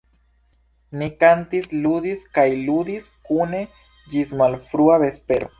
Ni kantis, ludis kaj ludis kune ĝis malfrua vespero.